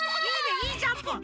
いいジャンプ！